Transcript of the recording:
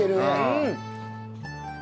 うん！